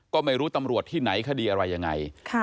ก็ไม่รู้ตำรวจที่ไหนคดีอะไรยังไง